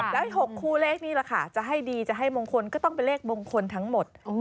แล้วอีก๖คู่เลขนี้แหละค่ะจะให้ดีจะให้มงคลก็ต้องเป็นเลขมงคลทั้งหมด